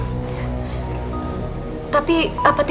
setelah ngetahui kebenaranya